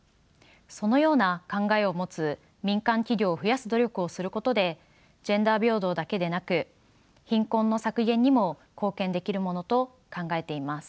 そのような考えを持つ民間企業を増やす努力をすることでジェンダー平等だけでなく貧困の削減にも貢献できるものと考えています。